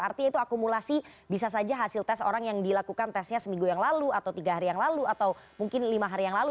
artinya itu akumulasi bisa saja hasil tes orang yang dilakukan tesnya seminggu yang lalu atau tiga hari yang lalu atau mungkin lima hari yang lalu